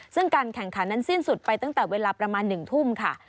ซึ่งการแข่งขันนั้นสิ้นสุดไปตั้งแต่เวลาประมาณ๑ทุ่มค่ะ